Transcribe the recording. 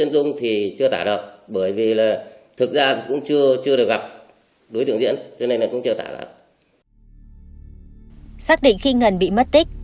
xác định khi ngân bị mất tích